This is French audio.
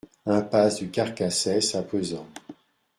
Impasse du Carcassès à Pezens